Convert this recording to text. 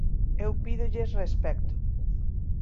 Eu pídolles respecto.